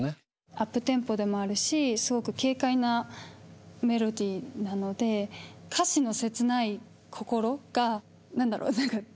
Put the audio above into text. アップテンポでもあるしすごく軽快なメロディーなので歌詞の切ない心が何だろう何か出ないみたいな。